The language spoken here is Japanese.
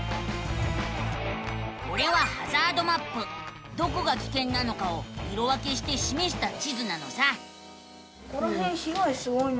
これはどこがきけんなのかを色分けしてしめした地図なのさ。